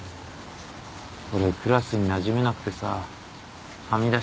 俺クラスになじめなくてさはみ出してたから。